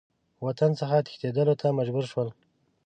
وطن څخه تښتېدلو ته مجبور شول.